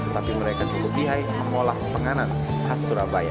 tapi mereka juga pihai memolah penganan khas surabaya